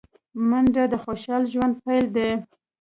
منډه د خوشال ژوند پيل دی